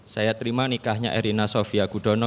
saya nikahkan ananda dengan erina sofia gudono